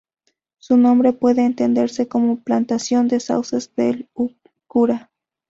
Su nombre puede entenderse como "plantación de sauces del cura".